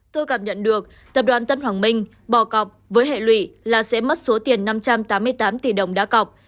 tôi cảm nhận được tập đoàn tân hoàng minh bò cọc với hệ lụy là sẽ mất số tiền năm trăm tám mươi tám tỷ đồng đá cọc